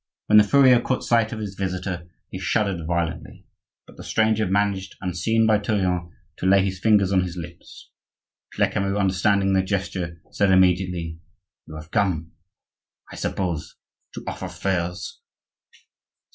When the furrier caught sight of his visitor he shuddered violently; but the stranger managed, unseen by Tourillon, to lay his fingers on his lips. Lecamus, understanding the gesture, said immediately:— "You have come, I suppose, to offer furs?"